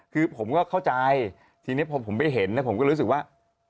คือผมก็เข้าใจทีนี้พอผมไปเห็นผมก็รู้สึกว่า